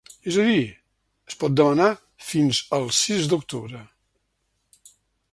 És a dir, es pot demanar fins al sis d’octubre.